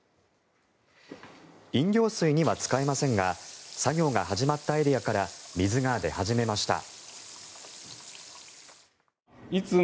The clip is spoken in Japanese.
飲料水には使えませんが作業が始まったエリアから水が出始めました。